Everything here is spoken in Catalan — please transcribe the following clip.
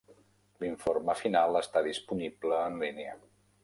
L'informe final està disponible en línia.